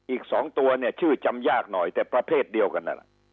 อีก๒ตัวเนี่ยชื่อจำยากหน่อยแต่ประเภทเดียวกันนั่นแหละ